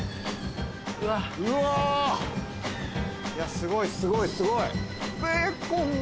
すごいすごいすごい。